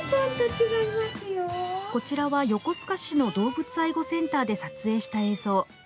こちらは、横須賀市の動物愛護センターで撮影した映像。